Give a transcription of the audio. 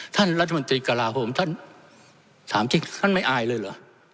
ท่านรัฐมนตรีกระลาโหมท่านถามจริงท่านไม่อายเลยเหรอ